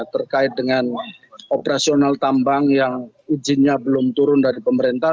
terkait dengan operasional tambang yang izinnya belum turun dari pemerintah